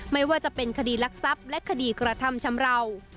ไม่ว่าจะเป็นคดีรักทรัพย์และคดีกระทำชำราว